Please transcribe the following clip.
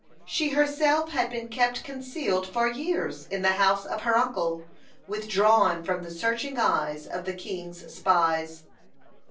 She herself had been kept concealed for years in the house of her uncle, withdrawn from the searching eyes of the king's spies.